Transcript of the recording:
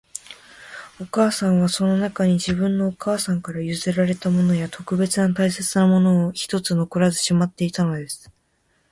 お母さんは、その中に、自分のお母さんから譲られたものや、特別大切なものを一つ残らずしまっていたのです